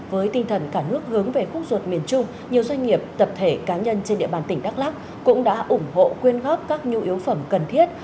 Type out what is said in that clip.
với tinh thần cả nước hướng về khúc ruột miền trung nhiều doanh nghiệp tập thể cá nhân trên địa bàn tỉnh đắk lắc cũng đã ủng hộ quyên góp các nhu yếu phẩm cần thiết